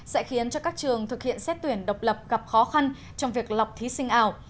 sẽ khiến cho các trường thực hiện xét tuyển độc lập gặp khó khăn trong việc lọc thí sinh ảo